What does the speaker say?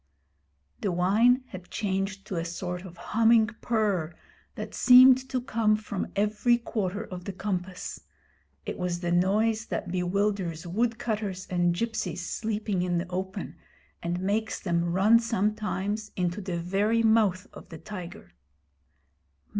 The whine had changed to a sort of humming purr that seemed to come from every quarter of the compass. It was the noise that bewilders woodcutters and gipsies sleeping in the open, and makes them run sometimes into the very mouth of the tiger.